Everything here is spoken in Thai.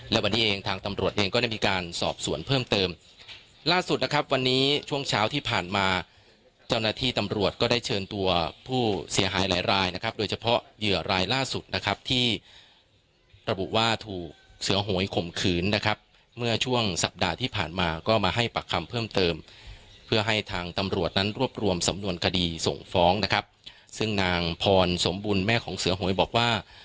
และวันนี้เองทางตำรวจเองก็ได้มีการสอบสวนเพิ่มเติมล่าสุดนะครับวันนี้ช่วงเช้าที่ผ่านมาเจ้าหน้าที่ตำรวจก็ได้เชิญตัวผู้เสียหายหลายรายนะครับโดยเฉพาะเหยื่อรายล่าสุดนะครับที่ระบุว่าถูกเสื้อโหยข่มขืนนะครับเมื่อช่วงสัปดาห์ที่ผ่านมาก็มาให้ปักคำเพิ่มเติมเพื่อให้ทางตำรวจนั้นรว